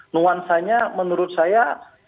nuansanya menurut saya